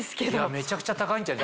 めちゃくちゃ高いんじゃん？